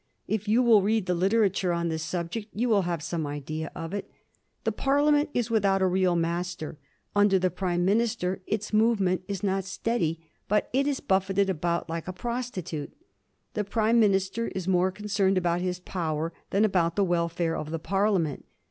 If you will read the literature on this subject, you will have some idea of it. The Parliament is without a real master. Under the Prime Minister, its movement is not steady, but it is buffeted about like a prostitute. The Prime Minister is more concerned about his power than about the welfare of the Parliament.